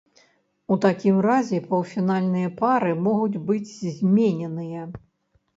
У такім разе паўфінальныя пары могуць быць змененыя.